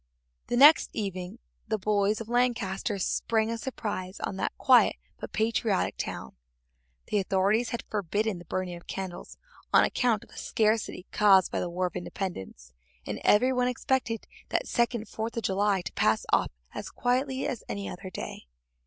The next evening the boys of Lancaster sprang a surprise on that quiet but patriotic town. The authorities had forbidden the burning of candles on account of the scarcity caused by the War of Independence, and every one expected that second Fourth of July to pass off as quietly as any other day.